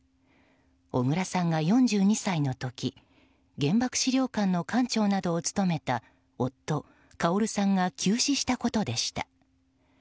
小倉さんが４２歳の時原爆資料館の館長などを務めた夫・馨さんが急死したことでした。